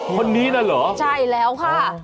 ตอนนี้น่ะเหรออ๋อค่ะอ๋อใช่แล้วค่ะ